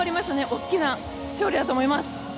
大きな勝利だと思います。